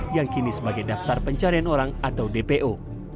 yang kini sebagai daftar pencarian orang atau dpo